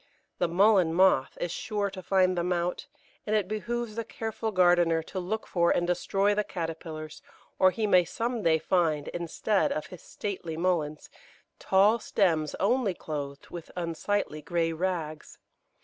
The Mullein moth is sure to find them out, and it behoves the careful gardener to look for and destroy the caterpillars, or he may some day find, instead of his stately Mulleins, tall stems only clothed with unsightly grey rags.